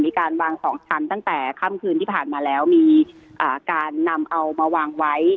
มีการวางสองชั้นตั้งแต่ค่ำคืนที่ผ่านมาแล้วมีการนำเอามาวางไว้